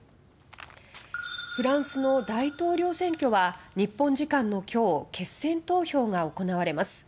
フランスの大統領選挙は日本時間の今日決選投票が行われます。